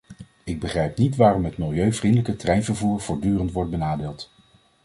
Ik begrijp niet waarom het milieuvriendelijke treinvervoer voortdurend wordt benadeeld.